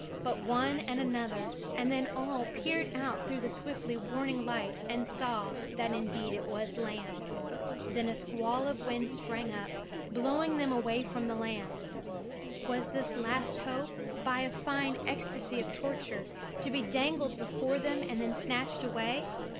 But one and another and then all peered out through the swiftly waning light and saw that indeed it was land. Then a squall of wind sprang up, blowing them away from the land. Was this last hope, by a fine ecstasy of torture, to be dangled before them and then snatched away?